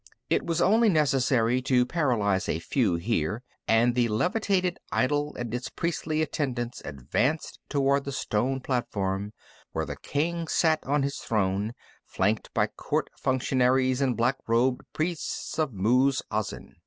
It was only necessary to paralyze a few here, and the levitated idol and its priestly attendants advanced toward the stone platform, where the king sat on his throne, flanked by court functionaries and black robed priests of Muz Azin.